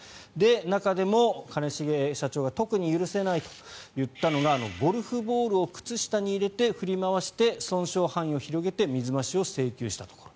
中でも兼重社長が特に許せないと言ったのがゴルフボールを靴下に入れて振り回して損傷範囲を広げて水増しを請求したところ。